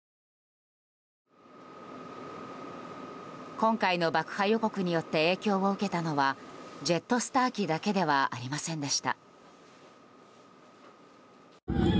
今回の爆破予告によって影響を受けたのはジェットスター機だけではありませんでした。